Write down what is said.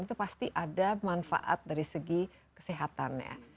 itu pasti ada manfaat dari segi kesehatannya